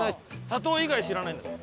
砂糖以外知らないんだよ。